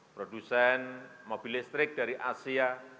produsen mobil listrik dari asia